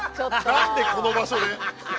何でこの場所で！